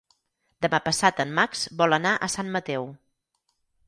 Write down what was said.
Demà passat en Max vol anar a Sant Mateu.